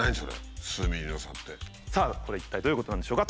さあこれは一体どういうことなんでしょうか？